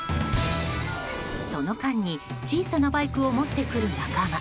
その間に小さなバイクを持ってくる仲間。